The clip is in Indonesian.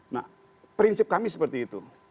nah prinsip kami seperti itu